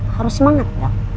harus semangat dong